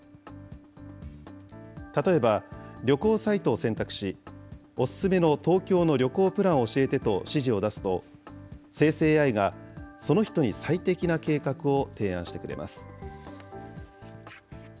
例えば、旅行サイトを選択し、お勧めの東京の旅行プランを教えてと指示を出すと、生成ＡＩがその人に最適な計画を提案してくれます。